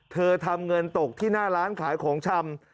เธอทำเงินตกที่หน้าร้านขายของชำ